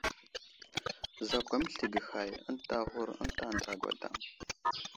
Zakw aməslige hay ənta aghur ənta andra gwadam.